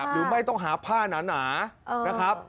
หรือไม่ต้องหาผ้าหนานะครับ